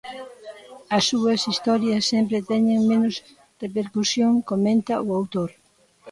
As súas historias sempre teñen menos repercusión, comenta o autor.